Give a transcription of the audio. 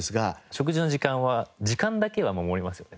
食事の時間は時間だけは守りますよね